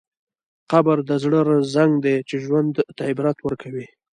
قبر د زړه زنګ دی چې ژوند ته عبرت ورکوي.